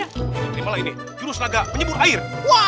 ini malah ini jurus laga penyibur air